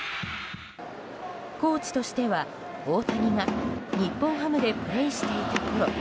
コーチとしては大谷が日本ハムでプレーしていたころ